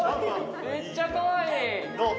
めっちゃかわいい・どう？